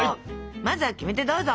まずはキメテどうぞ！